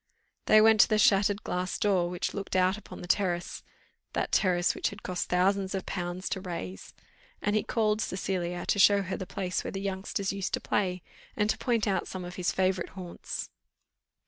They went to the shattered glass door, which looked out upon the terrace that terrace which had cost thousands of pounds to raise, and he called Cecilia to show her the place where the youngsters used to play, and to point out some of his favourite haunts.